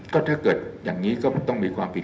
ก็ถ้าเกิดอย่างนี้ก็ต้องมีความผิด